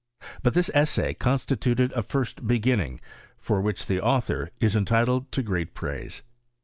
But this essay constituted a first beginning, for which the author is entitled to great praise.